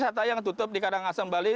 seperti wisata yang tutup di karangasembali